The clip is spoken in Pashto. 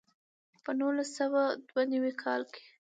په نولس سوه دوه نوي کال کې.